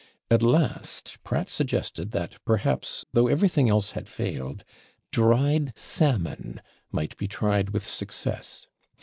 At last Pratt suggested that, perhaps, though everything else had failed, dried salmon might be tried with success.